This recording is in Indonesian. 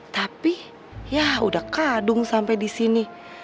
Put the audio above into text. tapi ya udah kadung sampai di sini